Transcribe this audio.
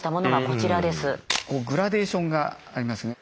こうグラデーションがありますね。